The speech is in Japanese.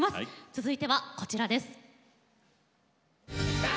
続いてはこちらです。